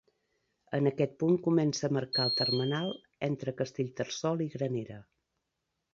En aquest punt comença a marcar el termenal entre Castellterçol i Granera.